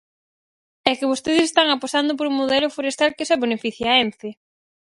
É que vostedes están apostando por un modelo forestal que só beneficia a Ence.